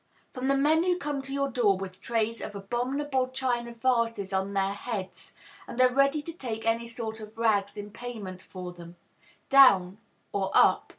From the men who come to your door with trays of abominable china vases on their heads, and are ready to take any sort of rags in payment for them, down or up?